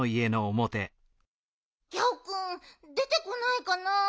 ギャオくんでてこないかな。